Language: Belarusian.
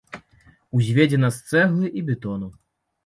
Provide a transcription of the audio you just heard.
Узведзена з цэглы і бетону.